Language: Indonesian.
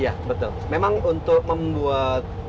ya betul memang untuk membuat